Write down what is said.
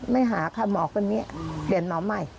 ไม่หาค่ะหมอกันนี้เดี๋ยวหมอไม่